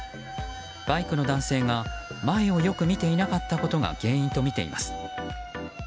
バイクの男性が前をよく見ていなかったことが原因とみています。